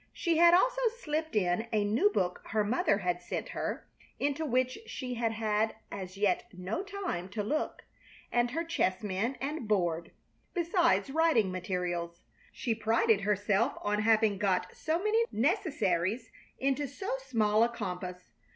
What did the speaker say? She had also slipped in a new book her mother had sent her, into which she had had as yet no time to look, and her chessmen and board, besides writing materials. She prided herself on having got so many necessaries into so small a compass.